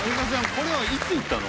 これはいつ行ったの？